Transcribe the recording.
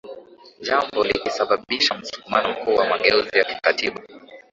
Jambo likasababisha msukumo mkuu wa mageuzi ya kikatiba